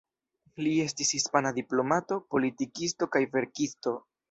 Li estis hispana diplomato, politikisto kaj verkisto.